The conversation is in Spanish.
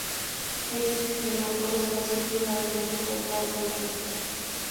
Este sistema de cobro será suplido gradualmente por el pago con tarjetas.